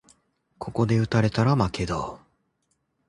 ここで打たれたら負けだ